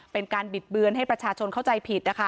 เป็นการบิดเบือนให้ประชาชนเข้าใจผิดนะคะ